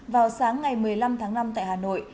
vào sáng ngày một mươi năm tháng năm tại hà nội